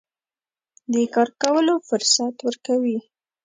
د کار کولو فرصت ورکوي.